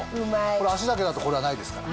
脚だけだとこれはないですから。